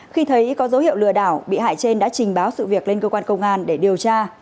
khi thấy có dấu hiệu lừa đảo bị hại trên đã trình báo sự việc lên cơ quan công an để điều tra